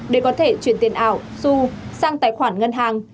để có thể chuyển tiền ảo su sang tài khoản ngân hàng